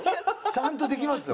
ちゃんとできますよ